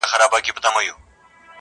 د پردیو خپلو ویني بهېدلې -